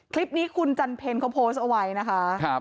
คลิปนี้คุณจันเพลเขาโพสต์เอาไว้นะคะ